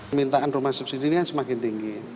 permintaan rumah subsidi ini semakin tinggi